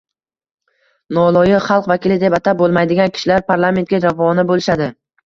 noloyiq, “xalq vakili” deb atab bo‘lmaydigan kishilar parlamentga ravona bo‘lishadi.